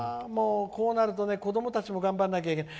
こうなると子どもたちも頑張らないといけない。